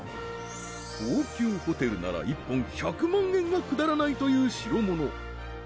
高級ホテルなら１本１００万円は下らないという代物